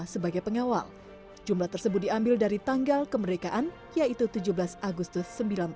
sebagai pengawal jumlah tersebut diambil dari tanggal kemerdekaan yaitu tujuh belas agustus seribu sembilan ratus empat puluh